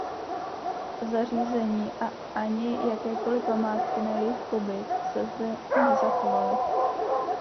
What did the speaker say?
Zařízení a ani jakékoliv památky na jejich pobyt se zde nezachovaly.